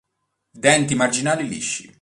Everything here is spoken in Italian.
Denti marginali lisci.